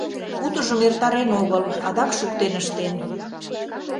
Утыжым эртарен огыл, адак шуктен ыштен.